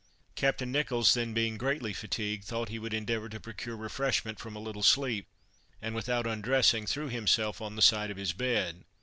Captain Nicholls then being greatly fatigued, thought he would endeavor to procure refreshment from a little sleep, and, without undressing, threw himself on the side of his bed.